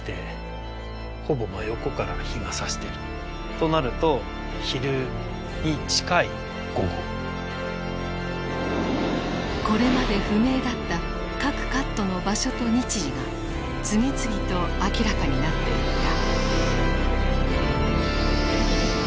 そう考えるとこれまで不明だった各カットの場所と日時が次々と明らかになっていった。